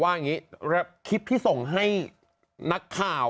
อย่างนี้คลิปที่ส่งให้นักข่าว